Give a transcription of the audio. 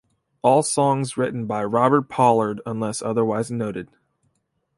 All songs written by Robert Pollard unless otherwise noted.